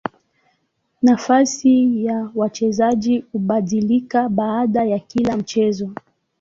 Nafasi ya wachezaji hubadilika baada ya kila mchezo.